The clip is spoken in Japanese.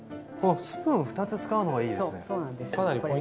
このスプーン２つ使うのがいいですね。